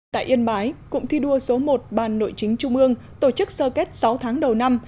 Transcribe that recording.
tại yên bái cụng thi đua số một ban nội chính trung ương tổ chức sơ kết sáu tháng đầu năm